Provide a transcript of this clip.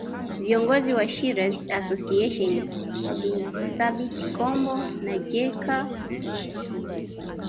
Viongozi wa Shirazi Association ni Thabit Kombo na Jecha Muhidini